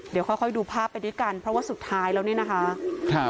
เดี๋ยวค่อยค่อยดูภาพไปด้วยกันเพราะว่าสุดท้ายแล้วนี่นะคะครับ